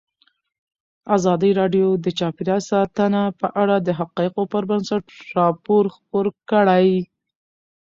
ازادي راډیو د چاپیریال ساتنه په اړه د حقایقو پر بنسټ راپور خپور کړی.